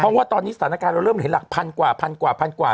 เพราะว่าตอนนี้สถานการณ์เราเริ่มเห็นหลักพันกว่าพันกว่าพันกว่า